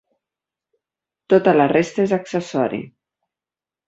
Tota la resta és accessori.